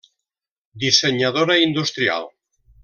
Dissenyadora industrial.